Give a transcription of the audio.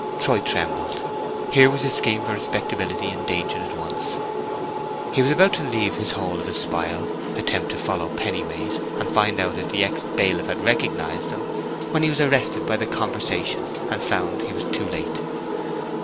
Troy trembled: here was his scheme for respectability endangered at once. He was about to leave his hole of espial, attempt to follow Pennyways, and find out if the ex bailiff had recognized him, when he was arrested by the conversation, and found he was too late.